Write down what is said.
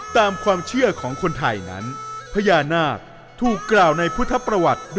ตามความเชื่อของคนไทยนั้นพญานาคถูกกล่าวในพุทธประวัติ